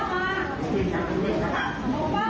สวัสดีครับคุณผู้ชาย